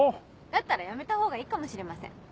だったらやめたほうがいいかもしれません。